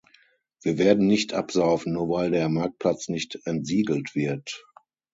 Wir werden nicht absaufen, nur weil der Marktplatz nicht entsiegelt wird.